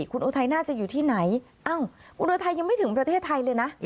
คุณอุทัยน่าจะอยู่ที่ไหนอ้าวคุณอุทัยยังไม่ถึงประเทศไทยเลยนะ